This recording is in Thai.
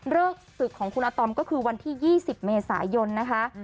ศึกของคุณอาตอมก็คือวันที่๒๐เมษายนนะคะ